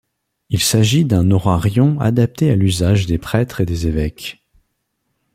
Il s'agit d'un orarion adapté à l'usage des prêtres et des évêques.